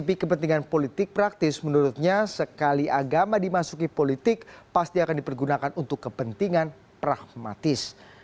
tapi kepentingan politik praktis menurutnya sekali agama dimasuki politik pasti akan dipergunakan untuk kepentingan pragmatis